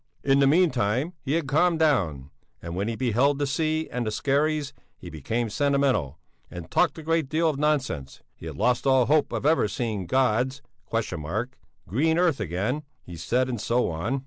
In the meantime he had calmed down, and when he beheld the sea and the skerries, he became sentimental and talked a great deal of nonsense: he had lost all hope of ever seeing God's (?) green earth again, he said, and so on.